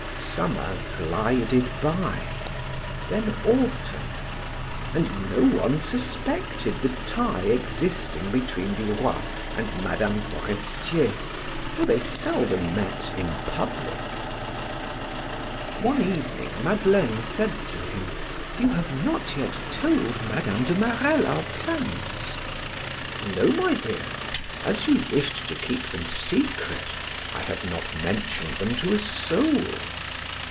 Summer glided by; then autumn, and no one suspected the tie existing between Duroy and Mme. Forestier, for they seldom met in public. One evening Madeleine said to him: "You have not yet told Mme. de Marelle our plans?" "No, my dear; as you wished them kept secret, I have not mentioned them to a soul."